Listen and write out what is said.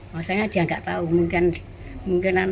maksudnya dia gak tau mungkin